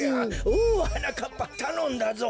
おおはなかっぱたのんだぞ！